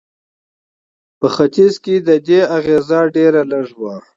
په ختیځ کې د دې اغېز ډېر لږ و.